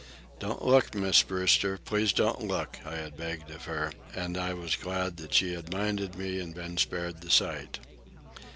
"Don't look, Miss Brewster, please don't look," I had begged of her, and I was glad that she had minded me and been spared the sight.